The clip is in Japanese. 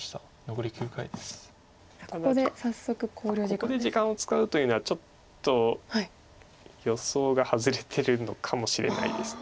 ここで時間を使うというのはちょっと予想が外れてるのかもしれないです。